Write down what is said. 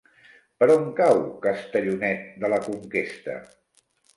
Per on cau Castellonet de la Conquesta?